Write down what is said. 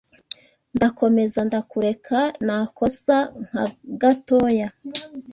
Ndakomeza ndakureka Nakosa nka gatoya